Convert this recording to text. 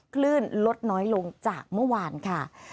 คลื่นลดน้อยลงจากเมื่อวานค่ะ